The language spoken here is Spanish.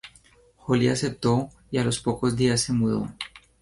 Holly aceptó y a los pocos días se mudó.